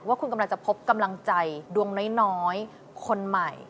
ว่าคุณกำลังจะพบกำลังใจดวงน้อยคนใหม่